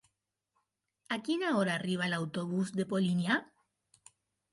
A quina hora arriba l'autobús de Polinyà?